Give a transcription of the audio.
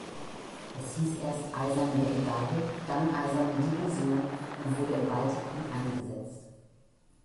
Es hieß erst Eiserne Brigade, dann Eiserne Division und wurde im Baltikum eingesetzt.